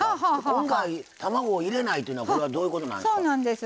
今回、卵、入れないっていうのはどういうことなんですか？